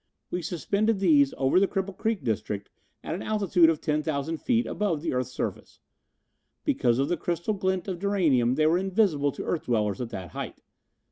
We suspended these over the Cripple Creek district at an altitude of 10,000 feet above the earth's surface. Because of the crystal glint of duranium they were invisible to earth dwellers at that height.